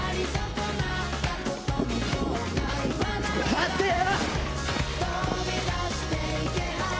待てよ！